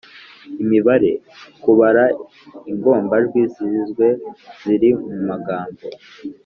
- imibare: kubara ingombajwi zizwe ziri mu magambo,